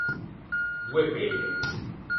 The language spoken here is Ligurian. Doe peie.